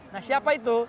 nah siapa itu